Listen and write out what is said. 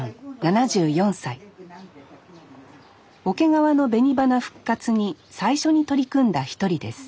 桶川の紅花復活に最初に取り組んだ一人です